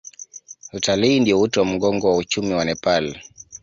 Utalii ndio uti wa mgongo wa uchumi wa Nepal.